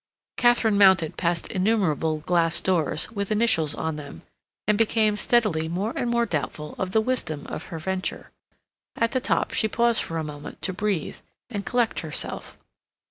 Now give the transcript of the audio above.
Katharine mounted past innumerable glass doors, with initials on them, and became steadily more and more doubtful of the wisdom of her venture. At the top she paused for a moment to breathe and collect herself.